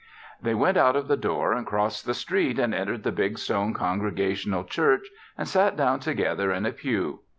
They went out of the door and crossed the street and entered the big stone Congregational Church and sat down together in a pew.